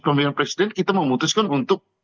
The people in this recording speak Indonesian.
pemilihan presiden kita memutuskan untuk